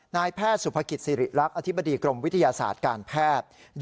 นายแพทย์สุภกิจสิริรักษ์อธิบดีกรมวิทยาศาสตร์การแพทย์